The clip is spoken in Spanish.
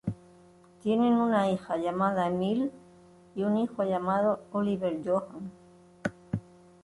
Tienen una hija llamada Emilie y un hijo llamado Oliver Johan.